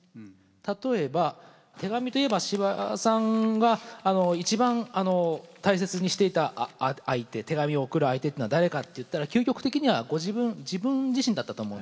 例えば手紙といえば司馬さんが一番大切にしていた相手手紙を送る相手っていうのは誰かって言ったら究極的にはご自分自分自身だったと思うんですね。